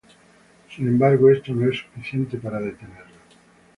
Sin embargo, esto no es suficiente para detenerlo.